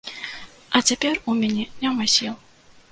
А цяпер у мяне няма сіл.